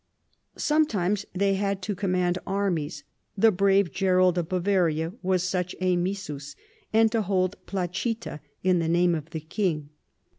Sometimes they had to com mand armies (the brave Gerold of Bavaria Avas such a missus) and to ho\(\2)l(icita in the name of the king.